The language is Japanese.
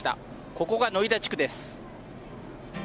ここがノイダ地区です。